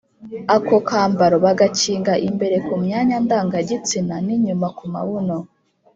ako kambaro bagakinga imbere ku myanya ndangagitsina n’inyuma ku mabuno